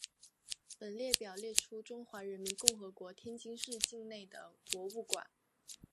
本列表列出中华人民共和国天津市境内的博物馆。